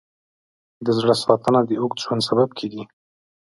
د زړه ساتنه د اوږد ژوند سبب کېږي.